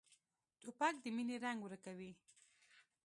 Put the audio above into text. توپک د مینې رنګ ورکوي.